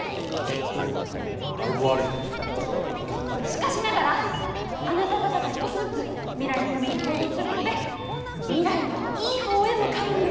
しかしながらあなた方が一つずつ未来のために行動することで未来はいい方へ向かうんです！